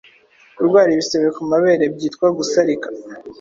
Kurwara ibisebe ku mabere byitwa Gusarika